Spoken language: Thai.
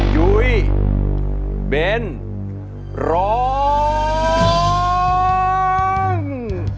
ยุ้ยเบนร้อง